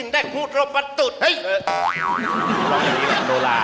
โดลา